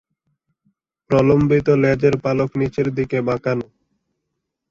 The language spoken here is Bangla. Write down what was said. প্রলম্বিত লেজের পালক নিচের দিকে বাঁকানো।